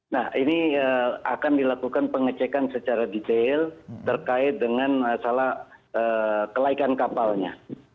nah ini akan dilakukan pengecekan secara detail terkait dengan masalah kelaikan kapalnya